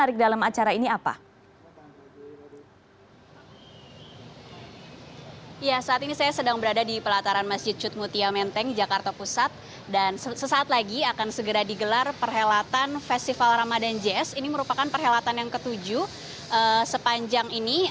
ramadan jazz ini merupakan perhelatan yang ketujuh sepanjang ini